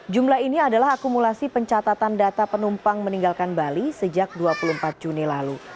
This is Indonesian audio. jumlah ini adalah akumulasi pencatatan data penumpang meninggalkan bali sejak dua puluh empat juni lalu